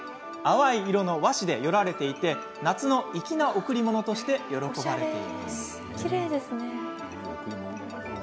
淡い色の和紙でよられていて夏の粋な贈り物として喜ばれています。